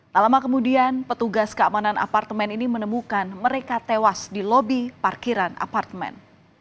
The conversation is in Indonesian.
tak lama kemudian petugas keamanan apartemen ini menemukan mereka tewas di lobi parkiran apartemen